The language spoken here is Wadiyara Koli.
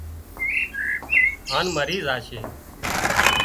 هانَ مرِي زاشي